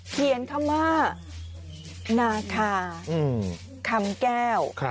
เขียนคำว่านาคาคำแก้ว